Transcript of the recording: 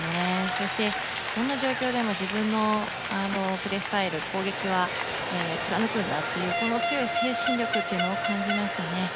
そして、どんな状況でも自分のプレースタイル、攻撃は貫くんだという強い精神力というのを感じましたね。